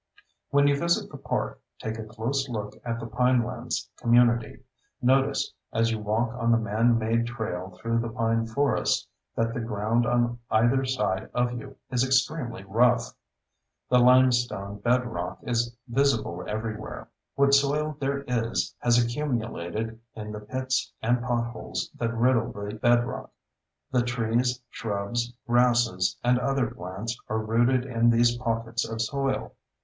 When you visit the park take a close look at the pinelands community. Notice, as you walk on the manmade trail through the pine forest, that the ground on either side of you is extremely rough. The limestone bedrock is visible everywhere; what soil there is has accumulated in the pits and potholes that riddle the bedrock. The trees, shrubs, grasses, and other plants are rooted in these pockets of soil.